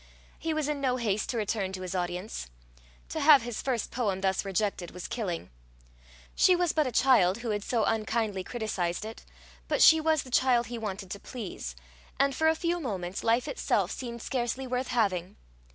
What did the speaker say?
He was in no haste to return to his audience. To have his first poem thus rejected was killing. She was but a child who had so unkindly criticized it, but she was the child he wanted to please; and for a few moments life itself seemed scarcely worth having.